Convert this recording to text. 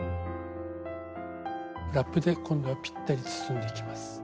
ラップで今度はぴったり包んでいきます。